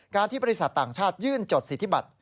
ที่บริษัทต่างชาติยื่นจดสิทธิบัติ